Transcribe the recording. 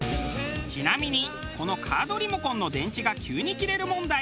ちなみにこのカードリモコンの電池が急に切れる問題。